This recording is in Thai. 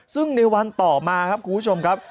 ซึ่งในวันต่อมาครับคุณผู้ชมครับ